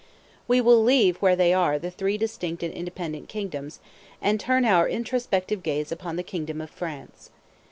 We will leave where they are the three distinct and independent kingdoms, and turn our introspective gaze upon the kingdom of France.